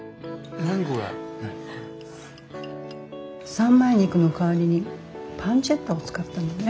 三枚肉の代わりにパンチェッタを使ったのね。